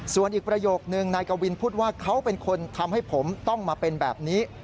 ส่วนอีกประโยคนึงนายกวินพูดว่าเขาเป็นคนทำให้ผมต้องมาเป็นแบบนี้